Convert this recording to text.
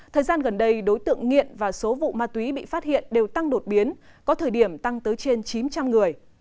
thời gian gần đây đối tượng nghiện và số vụ ma túy bị phát hiện đều tăng đột biến có thời điểm tăng tới trên chín trăm linh người